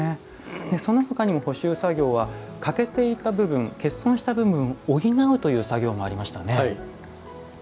そのほかにも補修作業は欠けていた部分欠損した部分を補うという作業もありましたね。